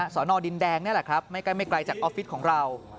สอนอดินแดงนั่นแหละครับไม่ไกลจากออฟฟิศของเรา